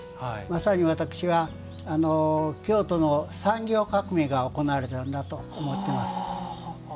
まさに私は京都の産業革命が行われたんだと思っています。